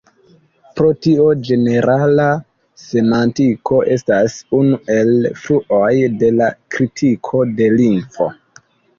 Pro tio ĝenerala semantiko estas unu el fluoj de la kritiko de lingvo.